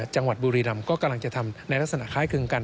จังหวัดบุรีรำก็กำลังจะทำในลักษณะคล้ายคลึงกัน